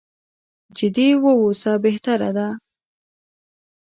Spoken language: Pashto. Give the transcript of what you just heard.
جدي واوسو بهتره ده.